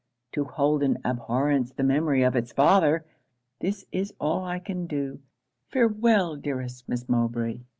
to hold in abhorrence the memory of it's father. This is all I can now do. Farewell! dearest Miss Mowbray!